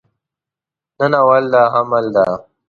نن اول د حمل ده